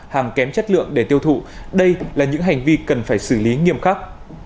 hàng kém chất lượng để tiêu thụ đây là những hành vi cần phải xử lý nghiêm khắc